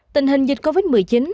tình hình dịch covid một mươi chín